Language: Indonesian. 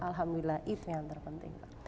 alhamdulillah itu yang terpenting